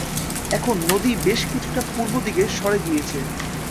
এখন নদী বেশ কিছুটা পূর্বদিকে সরে গিয়েছে।